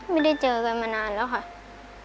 ไม่ได้เจอกันมานานแล้วค่ะ